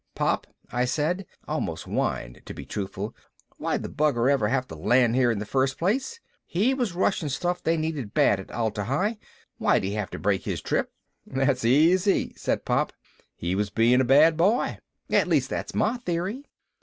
"Pop," I said almost whined, to be truthful, "why'd the bugger ever have to land here in the first place? He was rushing stuff they needed bad at Atla Hi why'd he have to break his trip?" "That's easy," Pop said. "He was being a bad boy. At least that's my theory.